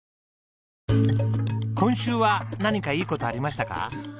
今週は何かいい事ありましたか？